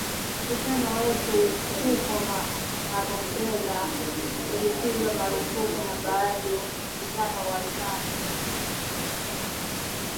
Mkutano wetu huko Marondera ulipigwa marufuku na bado mkutano wa Zanu